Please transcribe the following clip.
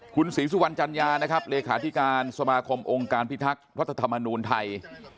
คุณศีรศิวรรณจัญญานะครับเลขาที่การสมกลงการพิทักษ์รวรรษฎมนูลไทย